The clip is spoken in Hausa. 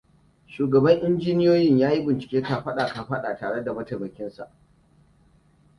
Shugaban injiniyoyin ya yi bincike kafaɗa da kafaɗa tare da mataimakinsa.